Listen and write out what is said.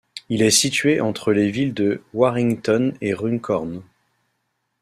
Il est situé entre les villes de Warrington et Runcorn.